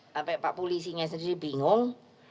sampai pak polisinya sendiri bingung